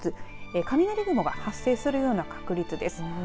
雷雲が発生するような確率です。